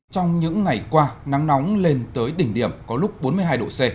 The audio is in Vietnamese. trong những ngày qua nắng nóng lên tới đỉnh điểm có lúc bốn mươi hai độ c